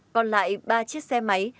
còn lại ba chiếc xe máy